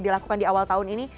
dilakukan di awal tahun ini